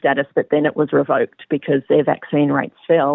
tapi kemudian itu dikembangkan karena harga vaksin mereka jatuh